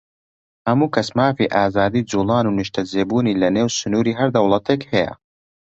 هەموو کەس مافی ئازادیی جووڵان و نیشتەجێبوونی لەنێو سنووری هەر دەوڵەتێک هەیە.